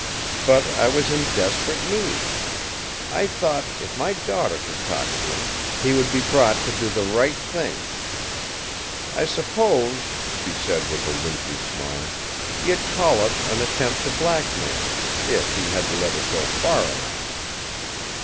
But I was in desperate need. I thought, if my daughter could talk to him, he would be brought to do the right thing. I suppose," she said with a wintry smile, "you'd call it an attempt to blackmail if he had let it go far enough.